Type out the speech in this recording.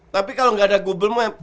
tapi kalau nggak ada google map